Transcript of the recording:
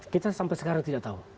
kita sampai sekarang tidak tahu